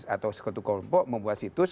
atau sekutu kelompok membuat situs